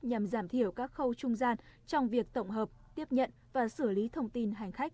nhằm giảm thiểu các khâu trung gian trong việc tổng hợp tiếp nhận và xử lý thông tin hành khách